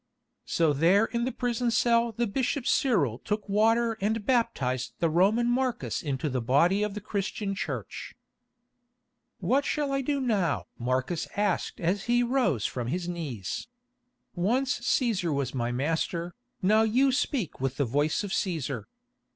So there in the prison cell the bishop Cyril took water and baptised the Roman Marcus into the body of the Christian Church. "What shall I do now?" Marcus asked as he rose from his knees. "Once Cæsar was my master, now you speak with the voice of Cæsar.